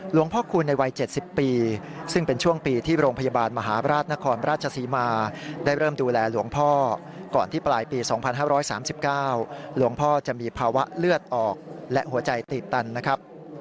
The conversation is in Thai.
คุณพ่อคุณในวัย๗๐ปีซึ่งเป็นช่วงปีที่โรงพยาบาลมหาราชนครราชศรีมาได้เริ่มดูแลหลวงพ่อก่อนที่ปลายปี๒๕๓๙หลวงพ่อจะมีภาวะเลือดออกและหัวใจตีบตันนะครับ